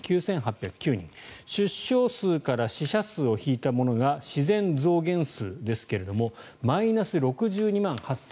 出生数から死者数を引いたものが自然増減数ですがマイナス６２万８２０５人。